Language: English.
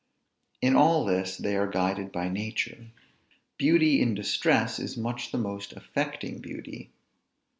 In all this they are guided by nature. Beauty in distress is much the most affecting beauty.